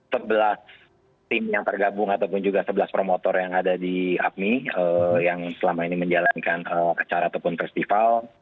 sebelas tim yang tergabung ataupun juga sebelas promotor yang ada di apmi yang selama ini menjalankan acara ataupun festival